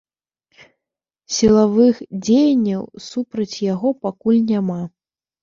Сілавых дзеянняў супраць яго пакуль няма.